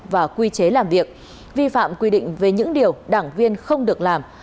và quy chế làm việc vi phạm quy định về những điều đảng viên không được làm